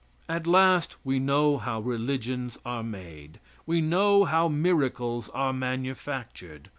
At last we know how religions are made. We know how miracles are manufactured.